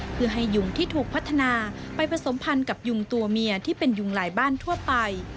เพื่อให้ยุงที่ถูกพัฒนาไปผสมพันธ์กับยุงตัวเมียที่เป็นยุงหลายบ้านทั่วไป